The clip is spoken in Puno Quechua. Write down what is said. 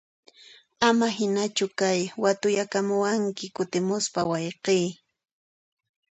Ama hinachu kay, watuyakamuwanki kutimuspa wayqiy!